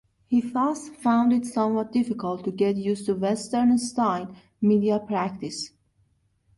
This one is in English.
He thus found it somewhat difficult to get used to Western-style media practice.